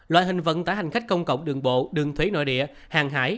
loại hình vận tải hành khách công cộng đường bộ đường thủy nội địa hàng hải